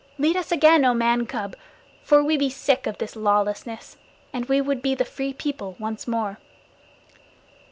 Lead us again, O Man cub, for we be sick of this lawlessness, and we would be the Free People once more."